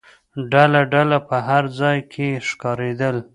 ډله ډله په هر ځای کې ښکارېدل.